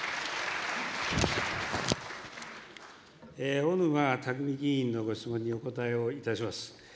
小沼巧議員のご質問にお答えをいたします。